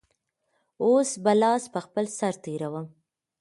اوس به لاس په خپل سر تېروم.